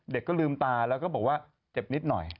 ลืมตาแล้วก็บอกว่าเจ็บนิดหน่อย